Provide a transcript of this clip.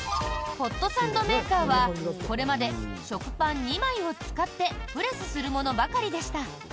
ホットサンドメーカーはこれまで食パン２枚を使ってプレスするものばかりでした。